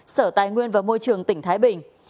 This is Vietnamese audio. sở tài nguyên và môi trường tỉnh thái bình